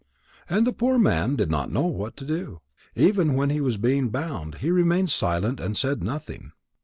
And the poor man did not know what to do. Even when he was being bound, he remained silent and said nothing.